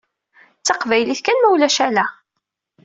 D taqbaylit kan mulac ala!